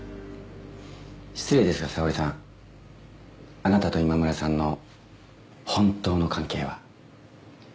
失礼ですが沙織さんあなたと今村さんの本当の関係は？